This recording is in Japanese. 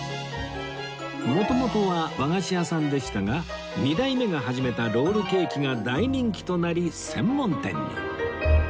元々は和菓子屋さんでしたが２代目が始めたロールケーキが大人気となり専門店に